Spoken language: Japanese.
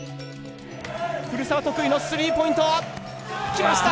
古澤得意のスリーポイント！来ました！